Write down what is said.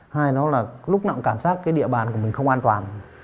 hai nó là lúc nào cũng cảm giác cái địa bàn của mình không an toàn